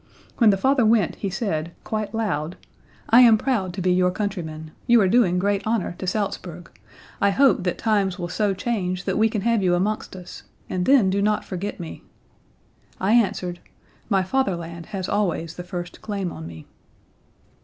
When the father went he said, quite loud, 'I am proud to be your countryman. You are doing great honor to Salzburg; I hope that times will so change that we can have you amongst us, and then do not forget me.' I answered: 'My fatherland has always the first claim on me.'